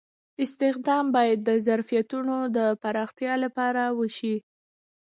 استخدام باید د ظرفیتونو د پراختیا لپاره وشي.